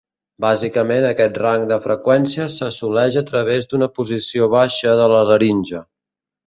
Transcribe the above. Bàsicament aquest rang de freqüències s'assoleix a través d'una posició baixa de la laringe.